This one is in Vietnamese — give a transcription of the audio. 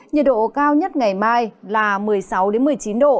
nhiệt độ cao nhất ngày mai là một mươi sáu một mươi chín độ